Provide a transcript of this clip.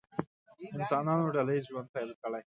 انسانانو ډله ییز ژوند پیل کړی.